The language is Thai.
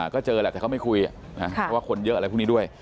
ก็เจอแหละแต่เขาไม่คุยเพราะว่าคนเยอะอะไรพวกนี้ด้วย